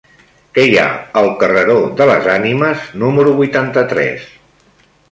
Què hi ha al carreró de les Ànimes número vuitanta-tres?